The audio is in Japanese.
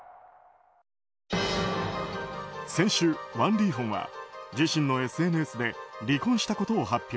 先週、ワン・リーホンは自身のＳＮＳで離婚したことを発表。